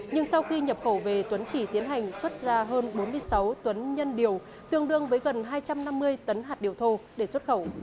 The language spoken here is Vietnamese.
nhưng sau khi nhập khẩu về tuấn chỉ tiến hành xuất ra hơn bốn mươi sáu tấn nhân điều tương đương với gần hai trăm năm mươi tấn hạt điều thô để xuất khẩu